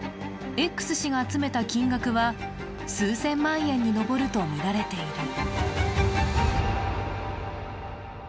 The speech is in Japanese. Ｘ氏が集めた金額は数千万円に上るとみられている。